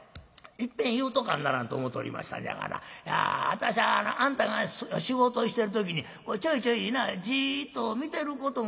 いっぺん言うとかんならんと思うておりましたんじゃがな私はあんたが仕事してる時にちょいちょいなじっと見てることがあるじゃろ。